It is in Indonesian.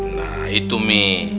nah itu mi